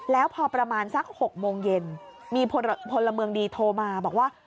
แล้วพอประมาณสัก๖โมงเย็นมีพลเมืองดีโทรมาบอกว่า